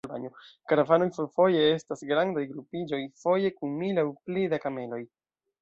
Karavanoj fojfoje estas grandaj grupiĝoj, foje kun mil aŭ pli da kameloj.